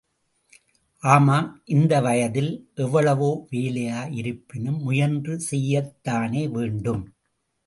ஆமாம், இந்த வயதில் எவ்வளவு வேலையா யிருப்பினும் முயன்று செய்யத்தானே வேண்டும்?